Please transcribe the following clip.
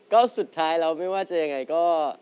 ก็สุดท้ายแล้วไม่ว่าจะยังไงก็